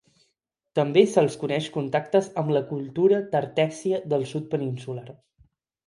També se'ls coneix contactes amb la cultura tartèssia del sud peninsular.